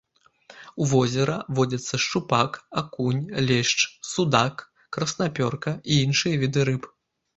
У возера водзяцца шчупак, акунь, лешч, судак, краснапёрка і іншыя віды рыб.